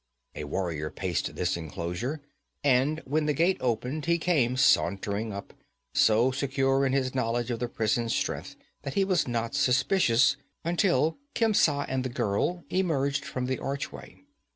A warrior paced this enclosure, and when the gate opened he came sauntering up, so secure in his knowledge of the prison's strength that he was not suspicious until Khemsa and the girl emerged from the archway.